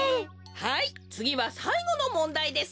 はいつぎはさいごのもんだいです。